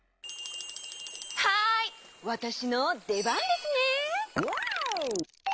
はいわたしのでばんですね！